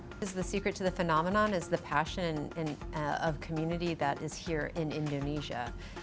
ketika kita menemukan fenomenon ini adalah pasien komunitas di indonesia